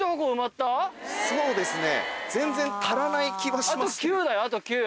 そうですね。